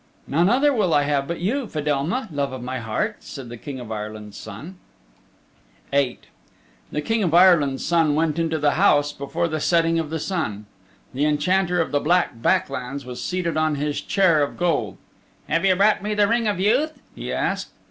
"None other will I have but you, Fedelma, love of my heart," said the King of Ireland's Son. VIII The King of Ireland's Son went into the house before the setting of the sun. The Enchanter of the Black Back Lands was seated on his chair of gold. "Have you brought me the Ring of Youth?" he asked.